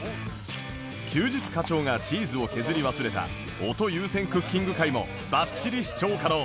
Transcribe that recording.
休日課長がチーズを削り忘れた音優先クッキング回もバッチリ視聴可能。